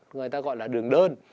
người ta gọi là đường đơn